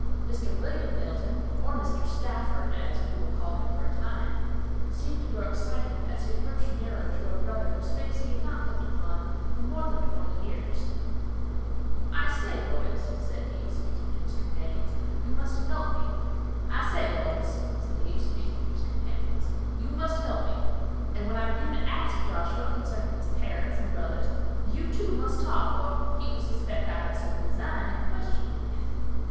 Mr. William Middleton, or Mr. Stafford, as we will call him for a time, seemed to grow excited as he approached nearer to a brother whose face he had not looked upon for more than twenty long years. "I say, boys," said he, speaking to his companions, "you must help me, and when I begin to ask Joshua concerning his parents and brothers, you, too, must talk, or he will suspect I have some design in questioning him."